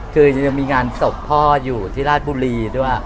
คือยังมีงานศพพ่ออยู่ที่ราชบุรีด้วย